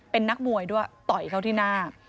เป็นนักมวยด้วยต่อยเขาที่หน้า